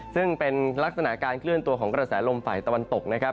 ซึ่งเป็นลักษณะการเคลื่อนตัวของกระแสลมฝ่ายตะวันตกนะครับ